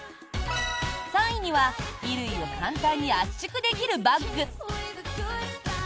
３位には衣類を簡単に圧縮できるバッグ。